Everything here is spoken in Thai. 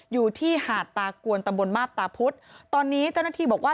อยู่ที่หาดตากวนตำบลมาบตาพุธตอนนี้เจ้าหน้าที่บอกว่า